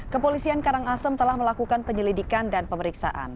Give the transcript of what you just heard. kepolisian karangasem telah melakukan penyelidikan dan pemeriksaan